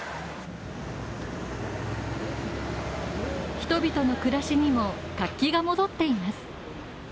人々の暮らしにも活気が戻っています。